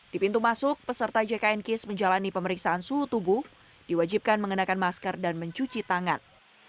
di pintu masuk peserta jkn kis menjalani pemeriksaan suhu tubuh diwajibkan mengenakan masker dan mencuci tangan